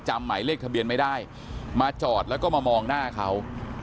หมายเลขทะเบียนไม่ได้มาจอดแล้วก็มามองหน้าเขา